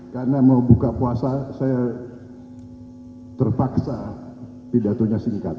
karena mau buka puasa saya terpaksa tidak punya singkat